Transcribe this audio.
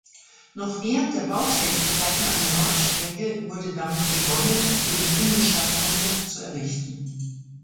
Noch während der Bautätigkeiten an der Nordstrecke wurde damit begonnen den Innenstadttunnel zu errichten.